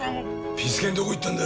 ピス健どこ行ったんだ。